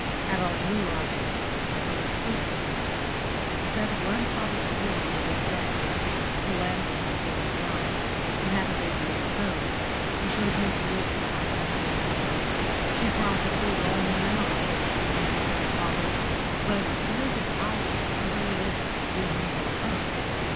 At our new lodgings I told the truth for once, and said grandfather's poor mother was dead. The landlady here was young, and had a baby of her own, and showed me great kindness and sympathy. She prophesied all manner of hopeful things for grandfather, but feared that I should never live to see him grow up.